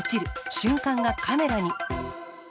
瞬間がカメラに。